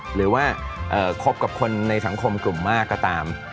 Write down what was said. หรือว่าคบกับคนในสังคมกลุ่มมากก็ตาม